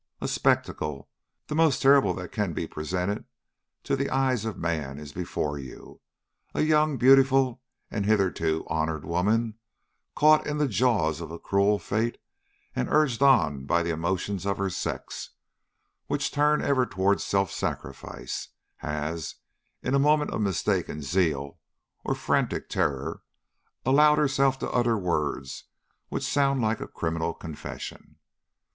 A spectacle, the most terrible that can be presented to the eyes of man, is before you. A young, beautiful, and hitherto honored woman, caught in the jaws of a cruel fate and urged on by the emotions of her sex, which turn ever toward self sacrifice, has, in a moment of mistaken zeal or frantic terror, allowed herself to utter words which sound like a criminal confession.